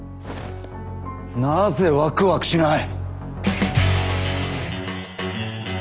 なぜワクワクしない！？